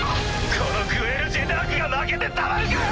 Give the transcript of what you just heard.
このグエル・ジェタークが負けてたまるかよ！